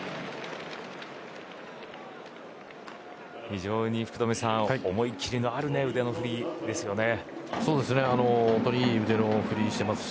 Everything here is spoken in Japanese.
非常に福留さん思い切りのある腕の振りですよね。